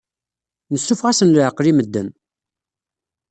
Nessuffeɣ-asen leɛqel i medden.